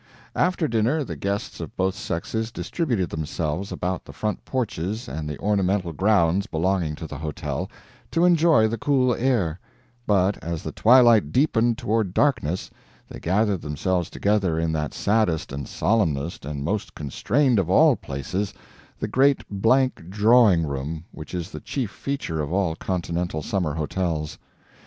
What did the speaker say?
After dinner the guests of both sexes distributed themselves about the front porches and the ornamental grounds belonging to the hotel, to enjoy the cool air; but, as the twilight deepened toward darkness, they gathered themselves together in that saddest and solemnest and most constrained of all places, the great blank drawing room which is the chief feature of all continental summer hotels.